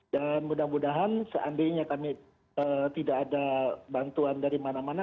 dan mudah mudahan seandainya kami tidak ada bantuan dari mana mana